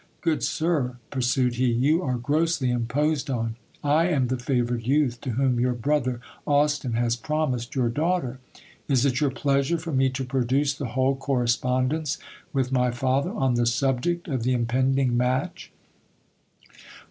Good sir, pursued he, you are grossly imposed on. I am the favoured youth to whom your brother Austin has promised your daughter. Is it your pleasure for me to produce the whole correspondence with my father on the subject of the impending match